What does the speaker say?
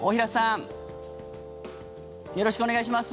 よろしくお願いします。